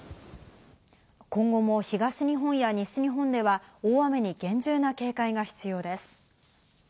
今後も東日本や西日本では大雨に厳重な警戒が必要です。